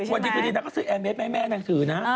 วันดีคืนดีนางก็ซื้อแอร์เมสมาให้แม่นางถือนะ